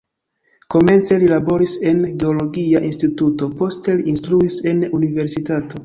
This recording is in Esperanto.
Komence li laboris en geologia instituto, poste li instruis en universitato.